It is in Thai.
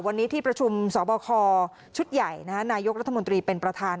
วันนี้ที่ประชุมสบคชุดใหญ่นายกรัฐมนตรีเป็นประธาน